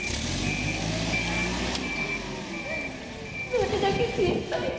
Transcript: どれだけ心配したか。